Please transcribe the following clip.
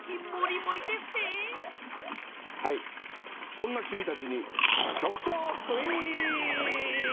そんな君たちに局長クイズ！